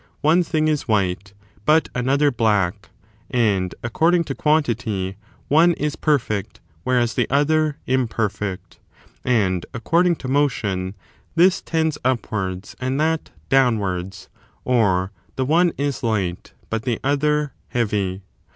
one thing is white, but another black; and according to quantity one is perfect, whereas the other imperfect ; and ac cording to motion this lends upwards and that downwards, or the one is light, but the other heavy.